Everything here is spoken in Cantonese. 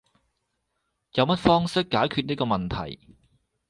有乜方式解決呢個問題？